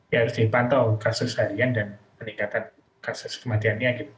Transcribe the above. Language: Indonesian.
ya harus dipantau kasus harian dan peningkatan kasus kematiannya gitu